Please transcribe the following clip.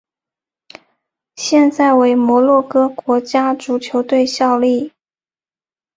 现在为摩洛哥国家足球队效力。